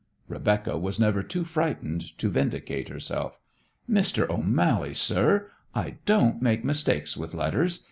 Rebecca was never too frightened to vindicate herself. "Mr. O'Mally, sir, I don't make mistakes with letters.